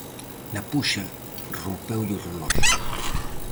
Na puxa, rompeulle o reloxo.